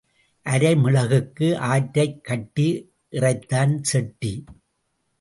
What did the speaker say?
அரை மிளகுக்கு ஆற்றைக் கட்டி இறைத்தான் செட்டி.